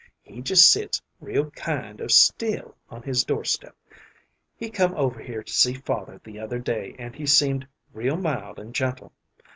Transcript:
He just sits real kind of still on his doorstep. He come over here to see father the other day, and he seemed real mild and gentle.